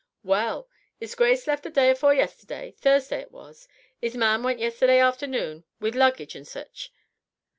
"Well! 'Is Grace left the day afore yesterday Thursday it was.... 'Is man went yesterday afternoon with luggage and sich